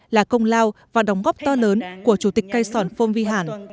là công lao và đóng góp to lớn của chủ tịch cây sòn phong vi hẳn